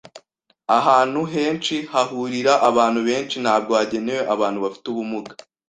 Ahantu henshi hahurira abantu benshi ntabwo hagenewe abantu bafite ubumuga.